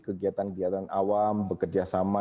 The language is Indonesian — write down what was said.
kegiatan kegiatan awam bekerjasama